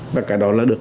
và cái đó là được